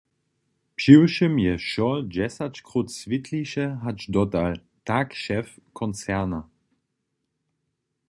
Přiwšěm je wšo dźesać króć swětliše hač dotal, tak šef koncerna.